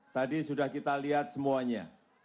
tadi sudah kita lihat semuanya